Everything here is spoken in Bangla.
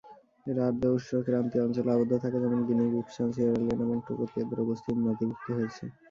এরা আর্দ্র উষ্ণ ক্রান্তীয় অঞ্চলে আবদ্ধ থাকে যেমন-গিনি-বিসসান, সিয়েরা লিওন এবং টোগো তে এদের উপস্থিতি নথিভুক্ত হয়েছে।